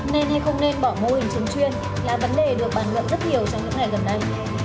nên hay không nên bỏ mô hình chân chuyên là vấn đề được bản ngợm rất nhiều trong những ngày gần đây